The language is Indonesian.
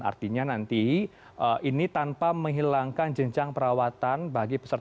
artinya nanti ini tanpa menghilangkan jaminan kesehatan yang ada di perawatan dan juga di perawatan yang ada di perawatan